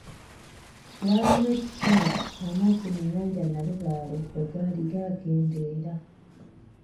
Waaliwo ekiseera amazzi mu nnyanja Nalubaale bwe gaali gakendeera.